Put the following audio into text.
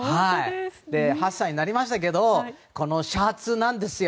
８歳になりましたけどこのシャツなんですよ。